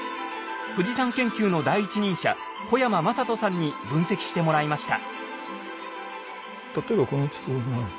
富士山研究の第一人者小山真人さんに分析してもらいました。